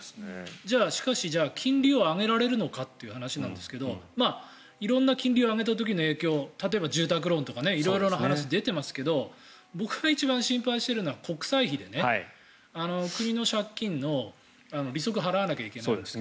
じゃあしかし、金利を上げられるのかという話ですが色んな金利を上げた時の影響例えば住宅ローンとか色々な話が出てますけど僕が一番心配しているのは国債費でね、国の借金の利息を払わなきゃいけない。